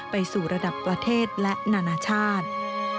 ไปสู่ระดับประเทศและนานาชาติ